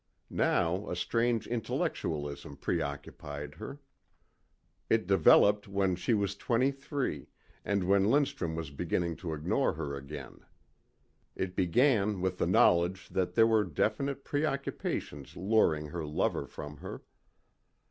Now a strange intellectualism preoccupied her. It developed when she was twenty three and when Lindstrum was beginning to ignore her again. It began with the knowledge that there were definite preoccupations luring her lover from her.